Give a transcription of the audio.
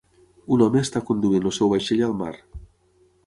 Un home està conduint el seu vaixell al mar.